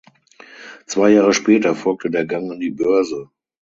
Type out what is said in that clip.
Zwei Jahre später folgte der Gang an die Börse.